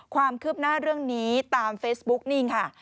ความคืบหน้าเรื่องนี้ตามเฟซบุ๊กนิ่งค่ะ